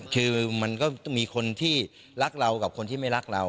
คือมันก็มีคนที่รักเรากับคนที่ไม่รักเรา